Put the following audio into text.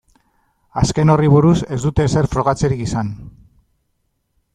Azken horri buruz ez dute ezer frogatzerik izan.